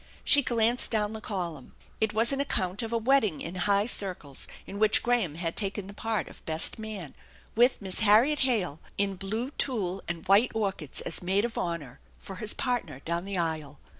She glanced down the column. It was an account of a wedding in high circles in which Graham had taken the part of best man, with Miss Harriet Hale in blue tulle and white orchids as maid of honor for his partner down the aisle.